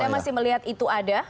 saya masih melihat itu ada